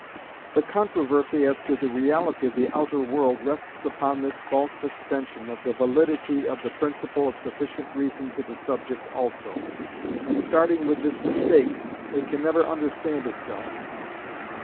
The controversy as to the reality of the outer world rests upon this false extension of the validity of the principle of sufficient reason to the subject also, and starting with this mistake it can never understand itself.